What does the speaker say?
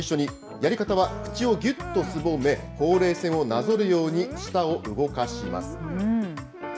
やり方は口をぎゅっとすぼめ、ほうれい線をなぞるように舌を動かします。